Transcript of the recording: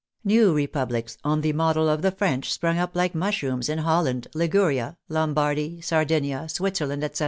New republics, on the model of the French, sprung up like mushrooms in Hol land, Liguria, Lombardy, Sardinia, Switzerland, etc.